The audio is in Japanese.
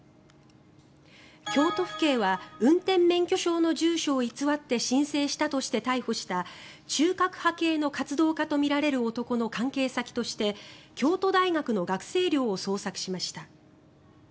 京都府警は運転免許証の住所を偽って申請したとして逮捕した中核派系の活動家とみられる男の関係先として京都大学の学生寮を捜索しました。